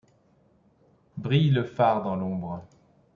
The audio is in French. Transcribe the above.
Brillent le phare dans l'ombre